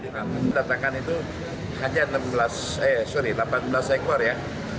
pembelian datangkan itu hanya delapan belas ekor ya